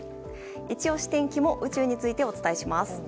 いちオシ天気も宇宙についてお伝えします。